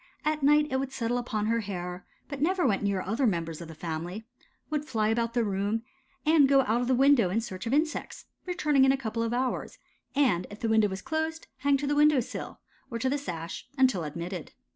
At night it would settle upon her hair, but never went near other members of the family; would fly about the room, and go out of the window in search of insects, returning in a couple of hours, and if the window was closed hang to the window sill, or to the sash, until admitted.